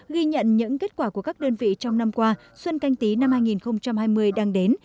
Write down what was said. ghi nhận những kết quả của các đơn vị trong năm qua xuân canh tí năm hai nghìn hai mươi đang đến